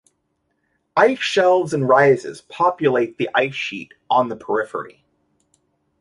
Ice shelves and rises populate the ice sheet on the periphery.